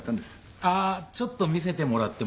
あっちょっと見せてもらってもいいですか？